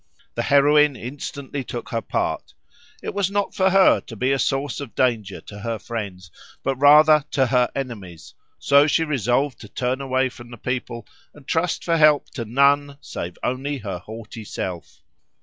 The heroine instantly took her part: it was not for her to be a source of danger to her friends, but rather to her enemies, so she resolved to turn away from the people, and trust for help to none save only her haughty self.